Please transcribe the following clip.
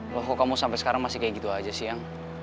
loh kok kamu sampai sekarang masih kayak gitu aja siang